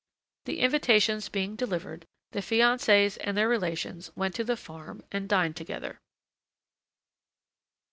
The invitations being delivered, the fiancés and their relations went to the farm and dined together.